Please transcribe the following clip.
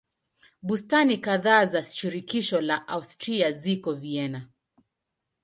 Bustani kadhaa za shirikisho la Austria ziko Vienna.